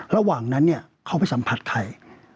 ระหว่างนั้นเขาไปสัมผัสใคร